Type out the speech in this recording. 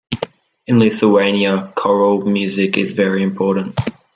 In Lithuania, choral music is very important.